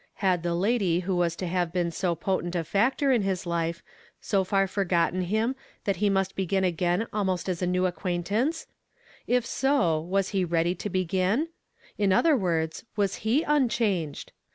Had the lady who was to have be n so potent a factor in his life, so far forgotten him hat he nmst begin again almost as a new acquain m m 114 YESTERDAY FRAMED IN TO DAY. tance ? If so, was lie ready to begin ? In other words, was he unchanged